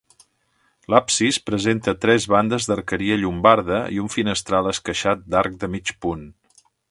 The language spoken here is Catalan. L'absis presenta tres bandes d'arqueria llombarda i un finestral esqueixat d'arc de mig punt.